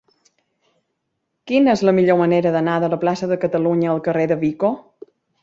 Quina és la millor manera d'anar de la plaça de Catalunya al carrer de Vico?